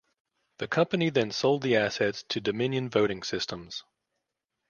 The company then sold the assets to Dominion Voting Systems.